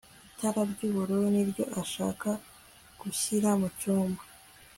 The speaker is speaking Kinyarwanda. itara ry'ubururu niryo ashaka gushyira mucyumba